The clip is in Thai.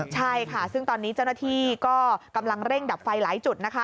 ใช่ค่ะซึ่งตอนนี้เจ้าหน้าที่ก็กำลังเร่งดับไฟหลายจุดนะคะ